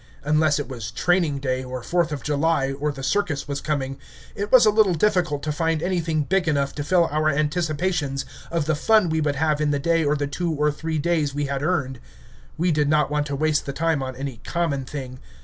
Unless it was training day, or Fourth of July, or the circus was coming, it was a little difficult to find anything big enough to fill our anticipations of the fun we would have in the day or the two or three days we had earned. We did not want to waste the time on any common thing.